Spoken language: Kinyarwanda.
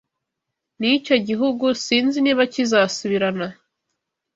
N, icyo gihugu sinzi niba kizasubirana